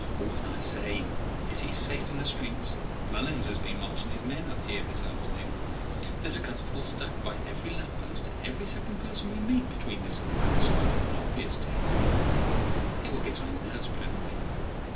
And, I say, is he safe in the streets? Mullins has been marching his men up here this afternoon. There's a constable stuck by every lamp post, and every second person we meet between this and Palace Yard is an obvious 'tec.' It will get on his nerves presently.